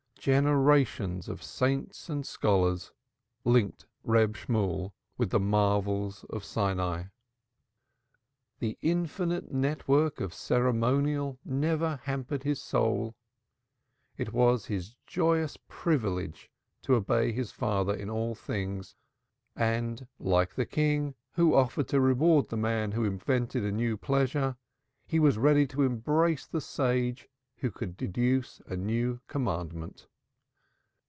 Generations of saints and scholars linked Reb Shemuel with the marvels of Sinai. The infinite network of ceremonial never hampered his soul; it was his joyous privilege to obey his Father in all things and like the king who offered to reward the man who invented a new pleasure, he was ready to embrace the sage who could deduce a new commandment.